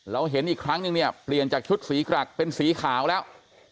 เห็นอีกครั้งนึงเนี่ยเปลี่ยนจากชุดสีกรักเป็นสีขาวแล้ว